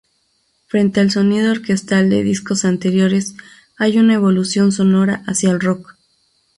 Frente al sonido orquestal de discos anteriores, hay una evolución sonora hacia el rock.